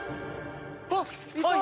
あっいた！